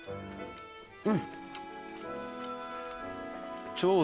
うん！